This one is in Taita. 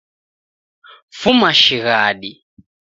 Fuma shighadi